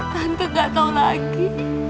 tante gak tahu lagi